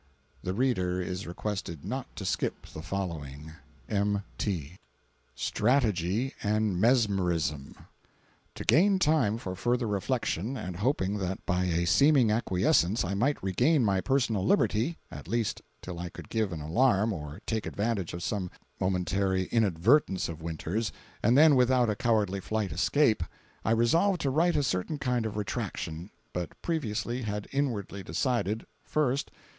[The reader is requested not to skip the following.—M. T.:] STRATEGY AND MESMERISM. To gain time for further reflection, and hoping that by a seeming acquiescence I might regain my personal liberty, at least till I could give an alarm, or take advantage of some momentary inadvertence of Winters, and then without a cowardly flight escape, I resolved to write a certain kind of retraction, but previously had inwardly decided: First.